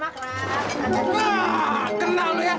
wah kena lu ya